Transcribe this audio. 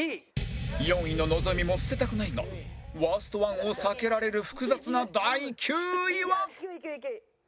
４位の望みも捨てたくないがワースト１を避けられる複雑な第９位は